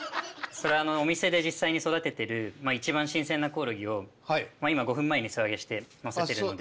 それはお店で実際に育ててる一番新鮮なコオロギを今５分前に素揚げして載せてるので。